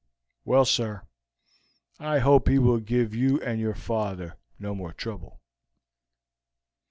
Well, sir, I hope he will give you and your father no more trouble."